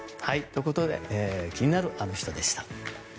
ということで気になるアノ人でした。